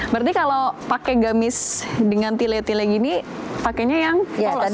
berarti kalau pakai gamis dengan tile tile gini pakainya yang kosong